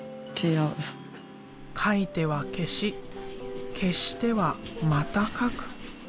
描いては消し消してはまた描く。